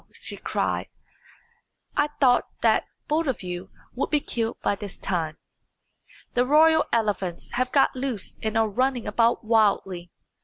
she cried, "I thought that both of you would be killed by this time. The royal elephants have got loose and are running about wildly.